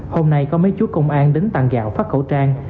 hôm nay có mấy chú công an đến tặng gạo phát khẩu trang